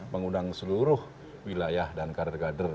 mengundang seluruh wilayah dan kader kader